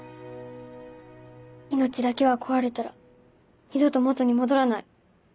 命だけは壊れたら二度と元に戻らない。